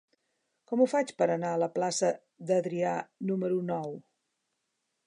Com ho faig per anar a la plaça d'Adrià número nou?